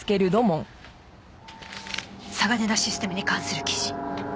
サガネダ・システムに関する記事。